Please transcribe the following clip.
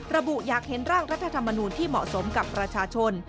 ระบุอยากเห็นร่างรัฐธรรมนูลที่เหมาะสมกับประชาชน